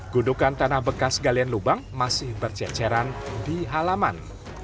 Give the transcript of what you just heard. gudukan tanah bekas galian lubang masih berceceran di halaman